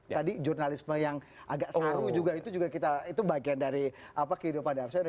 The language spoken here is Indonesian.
tadi jurnalisme yang agak sanu juga itu juga bagian dari kehidupan ars wendo